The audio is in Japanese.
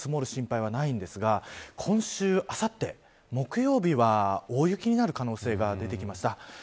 今日は関東は雪が積もる心配はないですが今週、あさって木曜日は大雪になる可能性が出てきました。